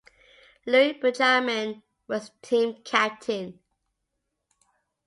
Louie Benjamin was the team captain.